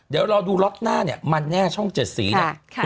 เดี๋ยวรอดูล็อตหน้าเนี่ยมันแน่ช่อง๗สีเนี่ย